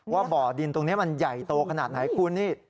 ว่าบ่อดินตรงนี้มันใหญ่โตขนาดไหนคุณนี่